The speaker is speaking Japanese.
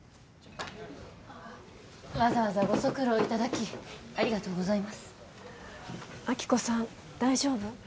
わざわざご足労いただきありがとうございます亜希子さん大丈夫？